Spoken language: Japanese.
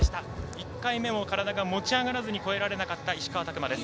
１回目も体が持ち上がらずに越えられなかった石川です。